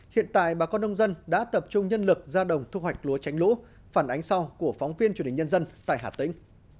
hiện tại bà con nông dân đã tập trung nhân lực ra đồng thu hoạch lúa tránh lũ phản ánh sau của phóng viên truyền hình nhân dân tại hà tĩnh